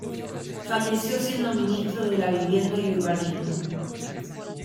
Falleció siendo Ministro de la Vivienda y Urbanismo.